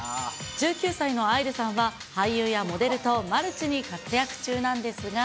１９歳の愛流さんは、俳優やモデルとマルチに活躍中なんですが。